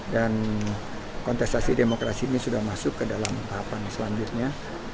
dan kontestasi demokrasi ini sudah masuk ke dalam tahapan selanjutnya